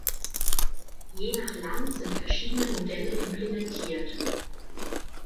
Je nach Land sind verschiedene Modelle implementiert.